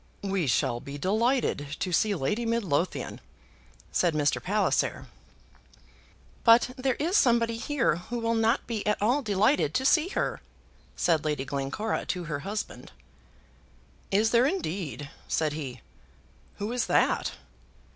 "We shall be delighted to see Lady Midlothian," said Mr. Palliser. "But there is somebody here who will not be at all delighted to see her," said Lady Glencora to her husband. "Is there, indeed?" said he. "Who is that?"